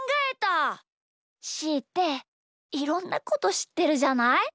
しーっていろんなことしってるじゃない？